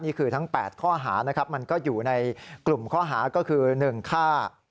นี่คือทั้ง๘ข้อหานะครับมันก็อยู่ในกลุ่มข้อหาก็คือ๑ฆ่า